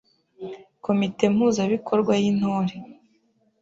Komite mpuzabikorwa y’Intore